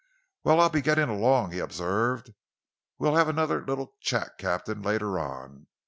"Well, I'll be getting along," he observed. "We'll have another little chat, Captain, later on.